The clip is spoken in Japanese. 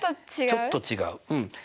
ちょっと違ううん。